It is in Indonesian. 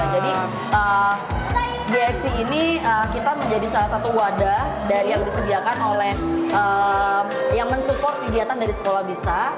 jadi gxc ini kita menjadi salah satu wadah dari yang disediakan oleh yang mensupport kegiatan dari sekolah bisa